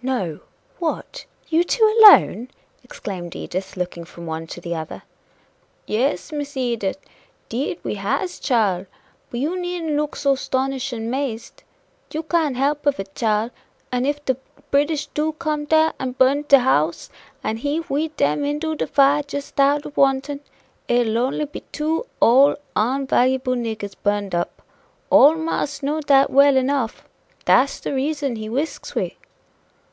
"No! what? you two alone!" exclaimed Edith, looking from one to the other. "Yes, Miss Edith, 'deed we has, chile but you needn't look so 'stonish and 'mazed. You can't help of it, chile. An' if de British do come dar and burn de house and heave we dem into de fire jes' out of wanton, it'll only be two poor, ole, unvaluable niggers burned up. Ole marse know dat well enough dat's de reason he resks we."